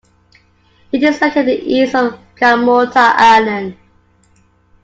It is located east of Kamorta island.